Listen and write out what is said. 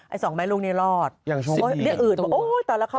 ไอ้๒แม่ลูกนี่รอดอุ๊ยตอนนี้ต้องรีกู้